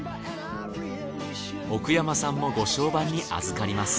奥山さんもご相伴にあずかります。